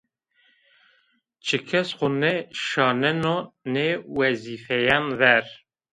Çi kes xo nêşaneno nê wezîfeyan ver